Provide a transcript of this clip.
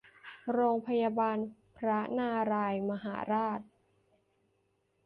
โรงพยาบาลพระนารายณ์มหาราช